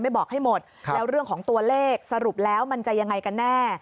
บอกให้หมดแล้วเรื่องของตัวเลขสรุปแล้วมันจะยังไงกันแน่